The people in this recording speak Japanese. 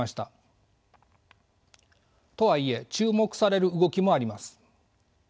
とはいえ注目される動きもあります。